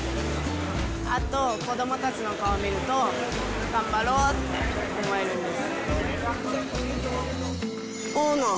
あと、子どもたちの顔見ると、頑張ろうって思えるんです。